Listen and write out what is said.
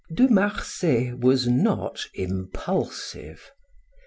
De Marsay was not impulsive.